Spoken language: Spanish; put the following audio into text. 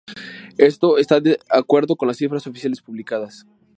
Esto está de acuerdo con las cifras oficiales publicadas.